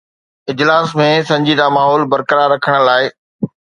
اجلاس ۾ سنجيده ماحول برقرار رکڻ لاءِ.